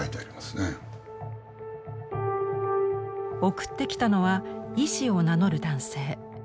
送ってきたのは医師を名乗る男性。